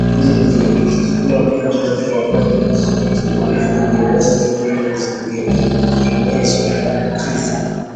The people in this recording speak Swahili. Hili lingechukua muda mrefu wakati jioni ikimezwa na kiza